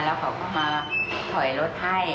แล้วเขาก็มาถอยรถให้